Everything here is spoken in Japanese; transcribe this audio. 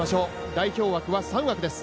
代表枠は３枠です。